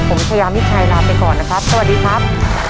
ผมชายามิชัยลาไปก่อนนะครับสวัสดีครับ